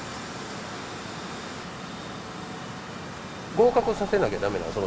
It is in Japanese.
合格させなきゃ駄目なんですよ。